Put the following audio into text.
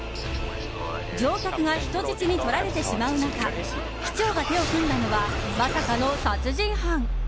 乗客が人質に取られてしまう中機長が手を組んだのはまさかの殺人犯。